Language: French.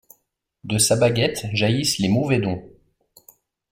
De sa baguette jaillissent les mauvais dons.